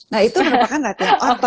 nah itu merupakan latihan otot